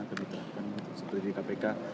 akan diterapkan seperti di kpk